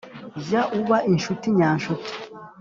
Jya uba inshuti nyanshuti